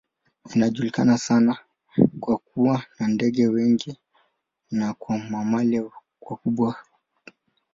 Inajulikana sana kwa kuwa na ndege wengi na kwa mamalia wakubwa.